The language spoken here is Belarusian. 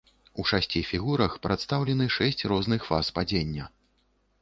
У шасці фігурах прадстаўлены шэсць розных фаз падзення.